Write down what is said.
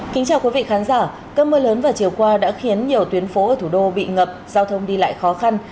kính chào quý vị khán giả cơn mưa lớn vào chiều qua đã khiến nhiều tuyến phố ở thủ đô bị ngập giao thông đi lại khó khăn